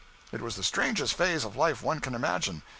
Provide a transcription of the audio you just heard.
It was the strangest phase of life one can imagine.